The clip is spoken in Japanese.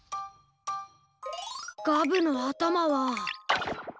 ガブのあたまは。